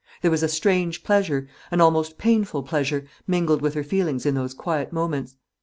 There was a strange pleasure, an almost painful pleasure, mingled with her feelings in those quiet moments.